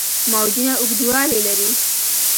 موجونه اوږدوالي لري.